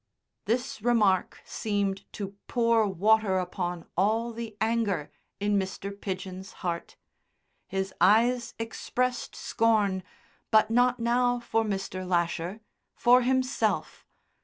This remark seemed to pour water upon all the anger in Mr. Pidgen's heart. His eyes expressed scorn, but not now for Mr. Lasher for himself.